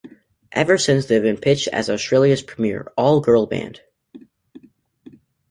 Ever since, they've been pitched as Australia's premier all-girl band.